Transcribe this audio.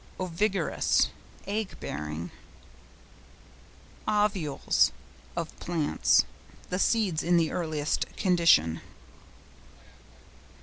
OVIGEROUS.—Egg bearing. OVULES (of plants).—The seeds in the earliest condition.